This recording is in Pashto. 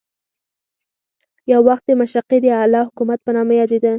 یو وخت د مشرقي د اعلی حکومت په نامه یادېده.